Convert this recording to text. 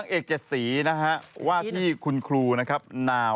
ไม่ตัวของเขา